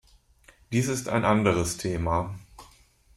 Dies ist ein anderes Thema.